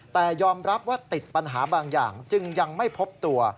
แต่ยอมรับว่าติดปัญหาบางอย่างจึงยังไม่พบตัว